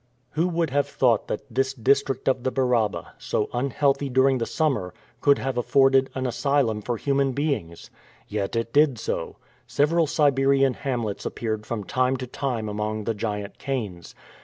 Who would have thought that this district of the Baraba, so unhealthy during the summer, could have afforded an asylum for human beings? Yet it did so. Several Siberian hamlets appeared from time to time among the giant canes.